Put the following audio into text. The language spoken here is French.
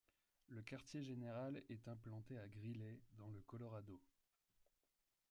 Le quartier général est implanté à Greeley, dans le Colorado.